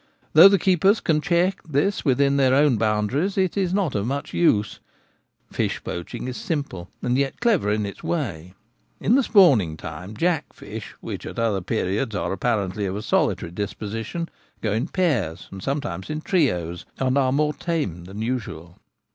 Though the keepers can check this within their own boundaries, it is not of much use. Fish poaching is simple and yet clever in its way. In the spawning time jack fish, which at other periods are apparently of a solitary disposition, go in pairs, and sometimes in trios, and are more tame than usual.